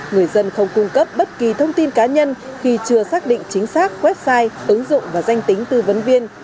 người dân không cung cấp bất kỳ thông tin cá nhân khi chưa xác định chính xác website ứng dụng và danh tính tư vấn viên